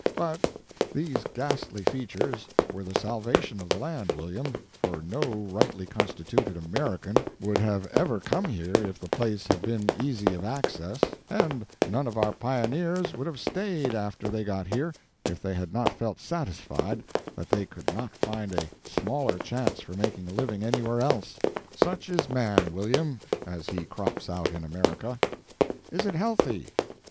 But these ghastly features were the salvation of the land, William, for no rightly constituted American would have ever come here if the place had been easy of access, and none of our pioneers would have staid after they got here if they had not felt satisfied that they could not find a smaller chance for making a living anywhere else. Such is man, William, as he crops out in America. "Is it healthy?"